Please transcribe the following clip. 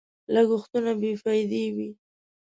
لګښتونه بې فايدې وي.